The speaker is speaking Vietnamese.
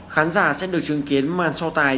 khán giả sẽ được chứng kiến màn so tài